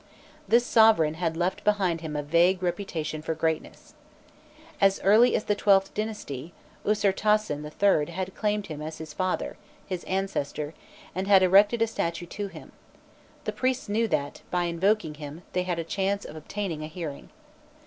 This sovereign had left behind him a vague reputation for greatness. As early as the XIIth dynasty Usirtasen III. had claimed him as "his father" his ancestor and had erected a statue to him; the priests knew that, by invoking him, they had a chance of obtaining a hearing.